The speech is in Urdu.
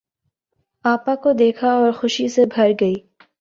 آپا کو دیکھا اور خوشی سے بھر گئی۔